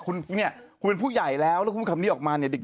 คุณเนี่ยคุณเป็นผู้ใหญ่แล้วแล้วพูดคำนี้ออกมาเนี่ยเด็ก